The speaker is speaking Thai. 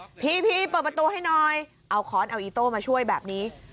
พี่เปิดประตูให้หน่อยเอาค้อนเอาอีโต้มาช่วยแบบนี้